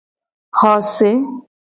Xose.